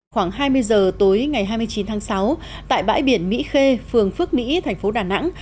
khoảng hai mươi giờ tối ngày hai mươi chín tháng sáu tại bãi biển mỹ khê phường phước mỹ thành phố đà nẵng